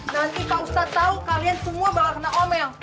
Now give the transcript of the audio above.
nanti pak ustadz tahu kalian semua bakal kena omel